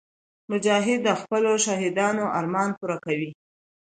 مجاهد د خپلو شهیدانو ارمان پوره کوي.